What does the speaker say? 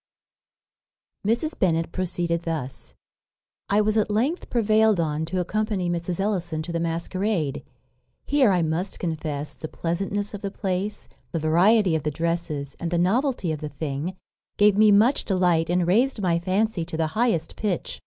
_ Mrs. Bennet proceeded thus: "I was at length prevailed on to accompany Mrs. Ellison to the masquerade. Here, I must confess, the pleasantness of the place, the variety of the dresses, and the novelty of the thing, gave me much delight, and raised my fancy to the highest pitch.